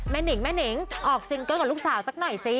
หนิงแม่นิงออกซิงเกิ้ลกับลูกสาวสักหน่อยสิ